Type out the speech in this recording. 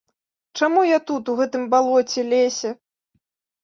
Чаму я тут, у гэтым балоце, лесе?